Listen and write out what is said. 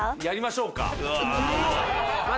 やりましょう。